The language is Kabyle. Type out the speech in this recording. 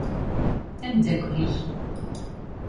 Amdakel-ik.